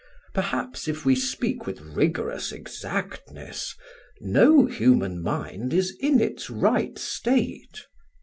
Perhaps if we speak with rigorous exactness, no human mind is in its right state.